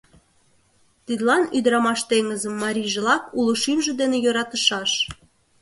Тидлан ӱдырамаш теҥызым марийжылак уло шӱмжӧ дене йӧратышаш.